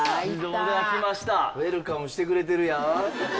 ウェルカムしてくれてるやん。